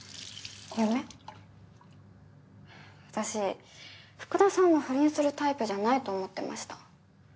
私福田さんは不倫するタイプじゃないと思ってました。